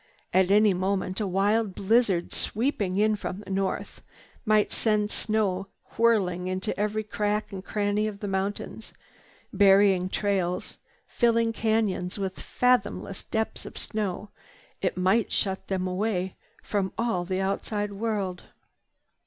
At any moment a wild blizzard, sweeping in from the north, might send snow whirling into every crack and cranny of the mountain. Burying trails, filling canyons with fathomless depths of snow, it might shut them away from all the outside world.